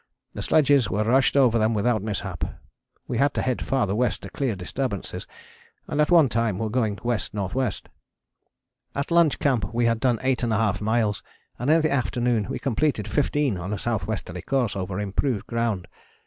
The sledges were rushed over them without mishap. We had to head farther west to clear disturbances, and at one time were going W.N.W. At lunch camp we had done 8½ miles, and in the afternoon we completed fifteen on a S.W. course over improved ground.